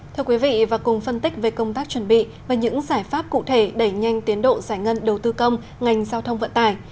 thưa quý vị và cùng phân tích về công tác chuẩn bị và những giải pháp cụ thể đẩy nhanh tiến độ giải ngân đầu tư công ngành giao thông vận tải